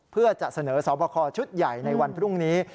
เพื่อจะเสนอสอบคอชุดใหญ่ในวันพรุ่งนี้